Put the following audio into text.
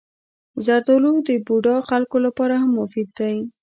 زردالو د بوډا خلکو لپاره هم مفید دی.